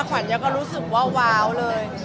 ขวัญยังก็รู้สึกว่าว้าวเลย